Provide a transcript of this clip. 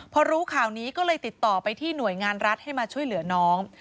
พอรู้ข่าวนี้ก็เลยติดต่อไปที่หน่วยงานรัฐให้มาช่วยเหลือน้อง